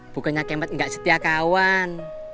bukannya kemet gak setia kawan